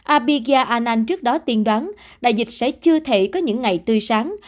abhigya anand trước đó tiên đoán đại dịch sẽ chưa thể có những ngày tươi sáng